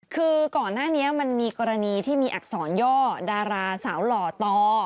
คือก่อนหน้านี้มันมีกรณีที่มีอักษรย่อดาราสาวหล่อต่อ